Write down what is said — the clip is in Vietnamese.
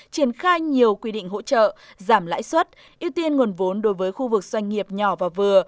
triển khai nhiều quy định hỗ trợ giảm lãi suất ưu tiên nguồn vốn đối với khu vực doanh nghiệp nhỏ và vừa